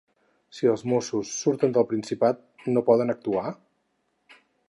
Si els mossos surten del Principat, no poden actuar?